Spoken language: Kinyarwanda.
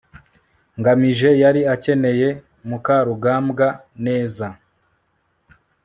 ngamije yari akeneye mukarugambwa neza